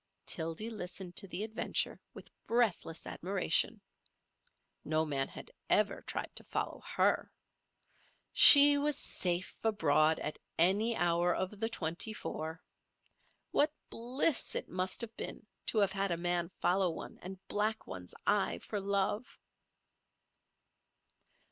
Tildy listened to the adventure with breathless admiration. No man had ever tried to follow her. She was safe abroad at any hour of the twenty four. What bliss it must have been to have had a man follow one and black one's eye for love!